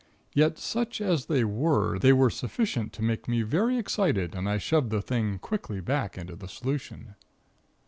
Yet, such as they were, they were sufficient to make me very excited and I shoved the thing quickly back into the solution.